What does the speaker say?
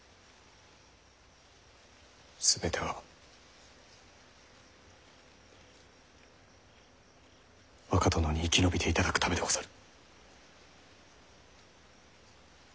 全ては若殿に生き延びていただくためでござる。